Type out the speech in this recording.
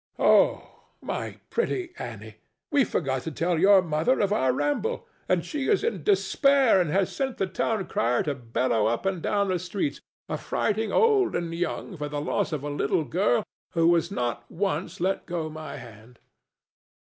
—Oh, my pretty Annie, we forgot to tell your mother of our ramble, and she is in despair and has sent the town crier to bellow up and down the streets, affrighting old and young, for the loss of a little girl who has not once let go my hand?